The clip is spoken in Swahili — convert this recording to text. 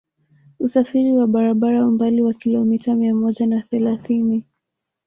Usafiri wa barabara umbali wa kilomita mia moja na thelathini